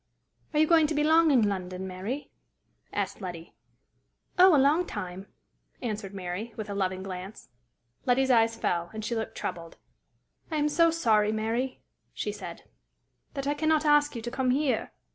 "Are you going to be long in London, Mary?" asked Letty. "Oh, a long time!" answered Mary, with a loving glance. Letty's eyes fell, and she looked troubled. "I am so sorry, Mary," she said, "that I can not ask you to come here!